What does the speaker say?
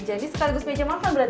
jadi sekaligus meja makan berarti ya